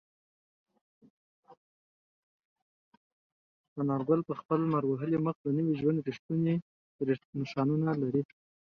انارګل په خپل لمر وهلي مخ د نوي ژوند رښتونې نښانونه لرل.